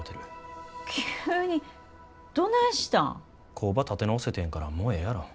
工場立て直せてんやからもうええやろ。